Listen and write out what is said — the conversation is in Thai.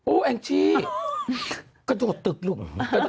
โอ้แอ้งที่กระโดดตึกลูก